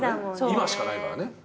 今しかないからね。